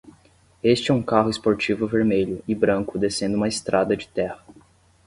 Este é um carro esportivo vermelho e branco descendo uma estrada de terra.